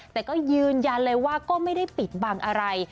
แต่ก็ยืนยันเลยว่าก็ไม่ได้ปิดบังอะไร